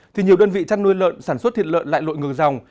thì nhiều đơn vị chăn nuôi lợn sản xuất thịt lợn lại lội ngừng dòng